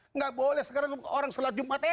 tidak boleh sekarang orang selat jumat